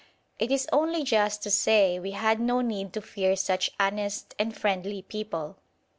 It is only just to say we had no need to fear such honest and friendly people.